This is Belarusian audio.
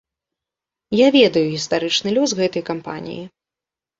Я ведаю гістарычны лёс гэтай кампаніі.